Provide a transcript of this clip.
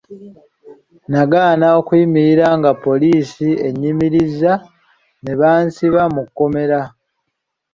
Nagaana okuyimirira nga poliisi ennyimirizza ne bansiba mu kkomera.